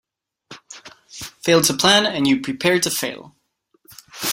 Fail to plan, and you Prepare to fail.